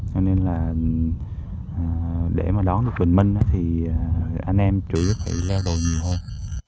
cho nên là để mà đón được bình minh thì anh em chủ yếu phải leo đôi nhiều hơn